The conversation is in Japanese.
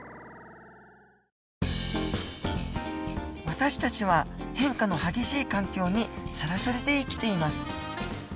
私たちは変化の激しい環境にさらされて生きています。